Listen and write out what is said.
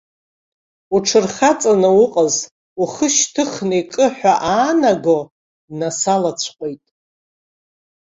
Уҽырхаҵаны уҟаз, ухы шьҭыхны икы ҳәа аанаго, днасалацәҟәит.